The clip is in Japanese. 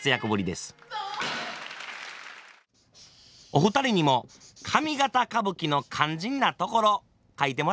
お二人にも上方歌舞伎の肝心なところ書いてもらいました。